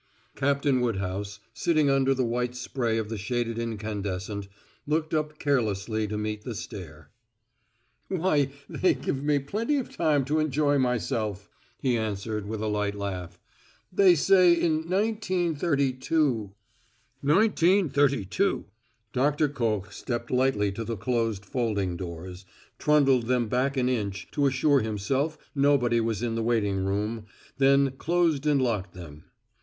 Captain Woodhouse, sitting under the white spray of the shaded incandescent, looked up carelessly to meet the stare. "Why, they give me plenty of time to enjoy myself," he answered, with a light laugh. "They say in 1932 " "Nineteen thirty two!" Doctor Koch stepped lightly to the closed folding doors, trundled them back an inch to assure himself nobody was in the waiting room, then closed and locked them.